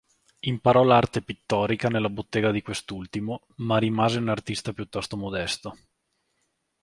Imparò l'arte pittorica nella bottega di quest'ultimo, ma rimase un artista piuttosto modesto.